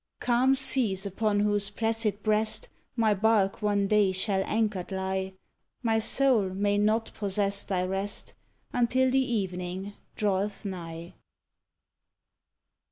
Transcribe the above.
Calm seas upon whose placid breast My barque one day shall anchored lie, My soul may not possess thy rest Until the evening draweth nigh!